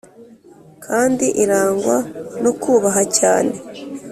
kandi irangwa no kubaha cyane